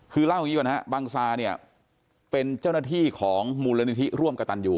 คือเล่าอย่างนี้ก่อนฮะบังซาเนี่ยเป็นเจ้าหน้าที่ของมูลนิธิร่วมกระตันอยู่